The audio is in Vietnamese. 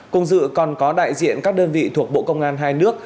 cùng dự còn có đại diện các đơn vị thuộc bộ công an hai nước